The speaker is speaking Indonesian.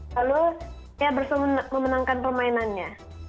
lalu dia berusaha memenangkan permainannya